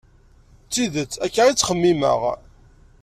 D tidet, akka i ttxemmimeɣ.